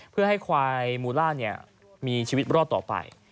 เพื่อให้ควายมูล่ามีชีวิตรอดต่อไป